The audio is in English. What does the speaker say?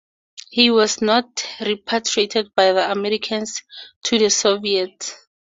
He was not repatriated by the Americans to the Soviets.